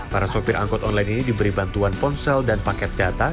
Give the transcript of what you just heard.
para sopir angkut online ini diberi bantuan ponsel dan paket data